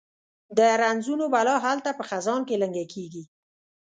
د رنځونو بلا هلته په خزان کې لنګه کیږي